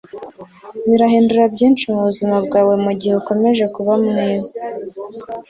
birahindura byinshi mubuzima bwawe mugihe ukomeje kuba mwiza. - ellen degeneres